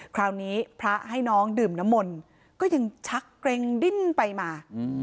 คราวนี้พระให้น้องดื่มน้ำมนต์ก็ยังชักเกร็งดิ้นไปมา